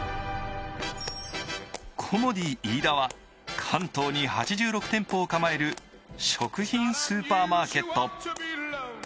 コモディイイダは、関東に８６店舗を構える食品スーパーマーケット。